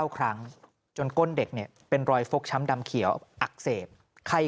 ครั้งจนก้นเด็กเนี่ยเป็นรอยฟกช้ำดำเขียวอักเสบไข้